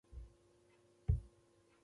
د ایرکنډېشن یخه هوا مخ لمساوه.